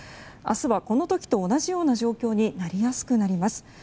明日はこの時と同じような状況になりやすくなります。